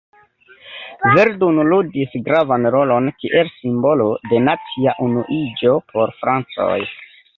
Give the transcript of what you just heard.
Verdun ludis gravan rolon kiel simbolo de nacia unuiĝo por francoj.